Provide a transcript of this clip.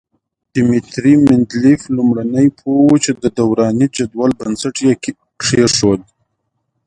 دیمتري مندلیف لومړنی پوه وو چې د دوراني جدول بنسټ یې کېښود.